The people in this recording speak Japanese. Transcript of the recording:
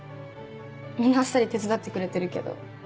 みんなあっさり手伝ってくれてるけど。